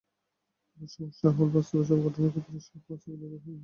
তবে সমস্যা হোল বাস্তবের সব ঘটনার ক্ষেত্রে সব প্রবাবিলিটি সমান হয় না।